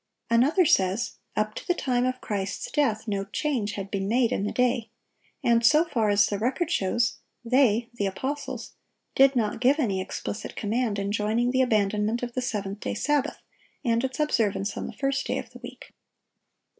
(754) Another says: "Up to the time of Christ's death, no change had been made in the day;"(755) and, "so far as the record shows, they [the apostles] did not ... give any explicit command enjoining the abandonment of the seventh day Sabbath, and its observance on the first day of the week."